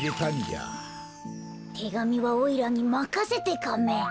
てがみはおいらにまかせてカメ。